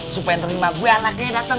supaya ternyuk emak gue anaknya dateng